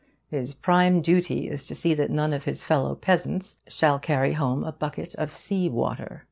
His prime duty is to see that none of his fellow peasants shall carry home a bucket of sea water.